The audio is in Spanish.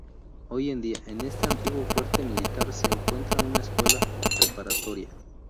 Hoy en día en este antiguo fuerte militar se encuentra una escuela preparatoria.